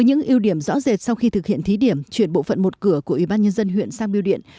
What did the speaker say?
những ưu điểm rõ rệt sau khi thực hiện thí điểm chuyển bộ phận một cửa của ubnd huyện sang biêu điện